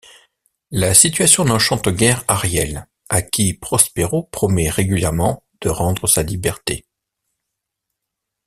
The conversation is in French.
La situation n'enchante guère Ariel, à qui Prospéro promet régulièrement de rendre sa liberté.